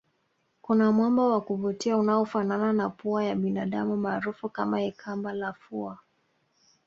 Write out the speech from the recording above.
Kuna mwamba wa kuvutia unaofanana na pua ya binadamu maarufu kama ikamba la fua